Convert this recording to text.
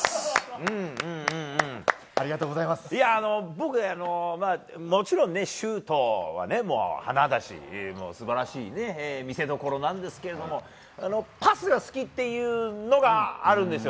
僕ね、もちろんシュートは華だし素晴らしい見せどころですがパスが好きっていうのがあるんですよ。